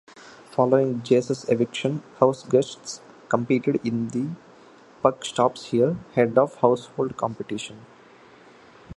Following Jase's eviction, HouseGuests competed in "The Puck Stops Here" Head of Household competition.